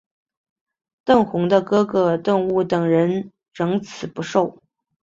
邓弘的哥哥邓骘等人仍辞不受。